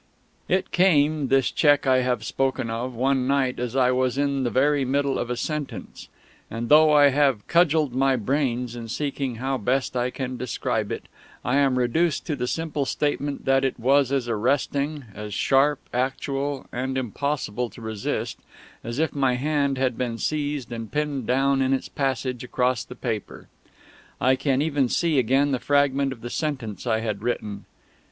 It came, this check I have spoken of, one night, as I was in the very middle of a sentence; and though I have cudgelled my brains in seeking how best I can describe it, I am reduced to the simple statement that it was as arresting, as sharp, actual and impossible to resist, as if my hand had been seized and pinned down in its passage across the paper. I can even see again the fragment of the sentence I had written